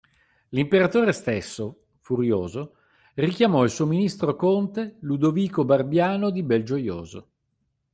L'imperatore stesso, furioso, richiamò il suo ministro conte Ludovico Barbiano di Belgioioso.